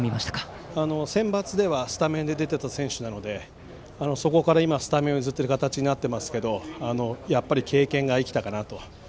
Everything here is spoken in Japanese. センバツではスタメンで出ていた選手なのでそこから今、スタメンを譲っている形になっていますがやっぱり経験が生きたかなと。